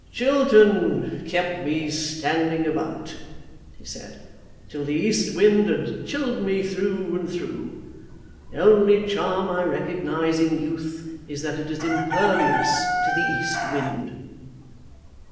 "Chiltern kept me standing about," he said, "till the east wind had chilled me through and through. The only charm I recognise in youth is that it is impervious to the east wind."